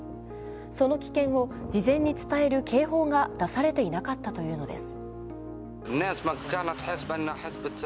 その危険を事前に伝える警報が出されていなかったというのです。